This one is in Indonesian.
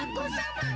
aku juga nggak tau